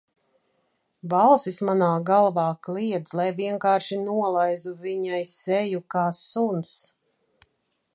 Balsis manā galvā kliedz, lai vienkārši nolaizu viņai seju kā suns.